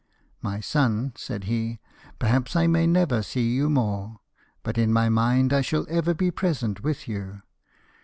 "My son," said he, " perhaps I may never see you more ; but in my mind I shall ever be present with you.